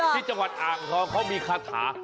ที่จังหวัดอ่างทองเขามีคาถา